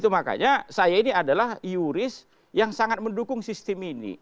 makanya saya ini adalah yuris yang sangat mendukung sistem ini